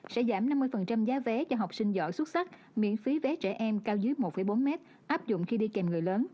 sẽ giảm năm mươi giá vé cho học sinh giỏi xuất sắc miễn phí vé trẻ em cao dưới một bốn mét áp dụng khi đi kèm người lớn